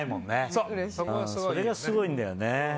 それがすごいんだよね。